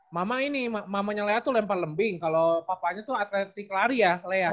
mama ini mamanya lea itu lempar lembing kalau papanya tuh atletik lari ya lea